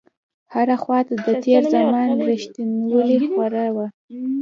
هره خواته د تېر زمان رښتينولۍ خوره وه.